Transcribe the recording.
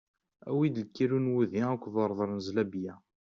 Awi-d kilu n wudi akked urḍel n zlabiyya.